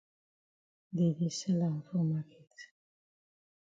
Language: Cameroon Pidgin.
Dey di sell am for maket.